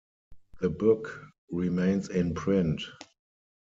The book remains in print.